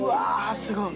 すごい！